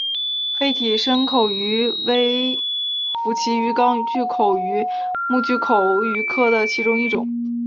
黑体深巨口鱼为辐鳍鱼纲巨口鱼目巨口鱼科的其中一种。